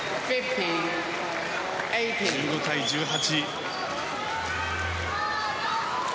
１５対１８。